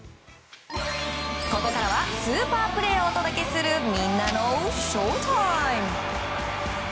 ここからはスーパープレーをお届けするみんなのＳＨＯＷＴＩＭＥ！